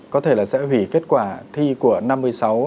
có thể là sẽ hủy kết quả thi của năm mươi sáu